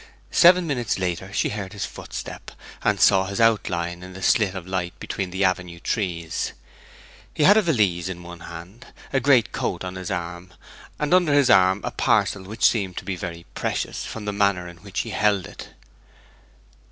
Seven minutes later she heard his footstep, and saw his outline in the slit of light between the avenue trees. He had a valise in one hand, a great coat on his arm, and under his arm a parcel which seemed to be very precious, from the manner in which he held it.